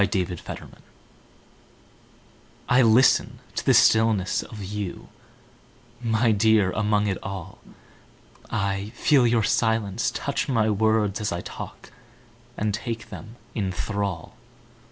Listening I LISTEN to the stillness of you, My dear, among it all;I feel your silence touch my words as I talk, And take them in thrall.